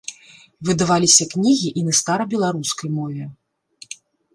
Выдаваліся кнігі і на старабеларускай мове.